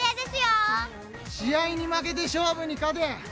試合に負けて勝負に勝て！